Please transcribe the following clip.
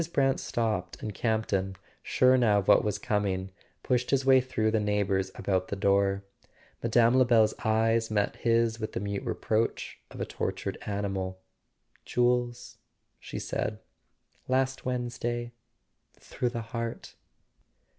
Brant stopped, and Campton, sure now of what was coming, pushed his way through the neigh¬ bours about the door. Mme. Lebel's eyes met his with the mute reproach of a tortured animal. "Jules," she said, "last Wednesday ... through the heart."